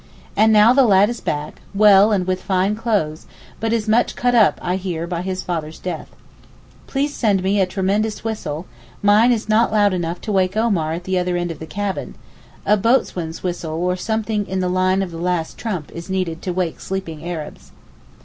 And now the lad is back, well and with fine clothes, but is much cut up, I hear, by his father's death. Please send me a tremendous whistle; mine is not loud enough to wake Omar at the other end of the cabin; a boatswain's whistle or something in the line of the 'last trump' is needed to wake sleeping Arabs.